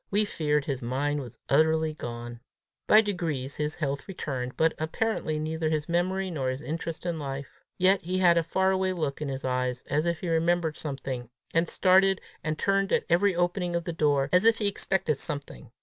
We feared his mind was utterly gone. By degrees his health returned, but apparently neither his memory, nor his interest in life. Yet he had a far away look in his eyes, as if he remembered something, and started and turned at every opening of the door, as if he expected something.